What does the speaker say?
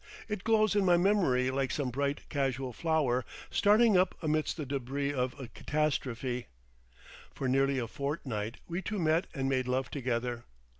It glows in my memory like some bright casual flower starting up amidst the débris of a catastrophe. For nearly a fortnight we two met and made love together.